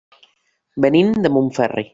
Venim de Montferri.